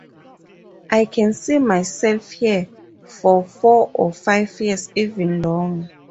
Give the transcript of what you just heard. I can see myself here for four or five years, even longer.